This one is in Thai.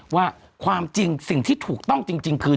ว่าความจริงสิ่งที่ถูกต้องจริงคือ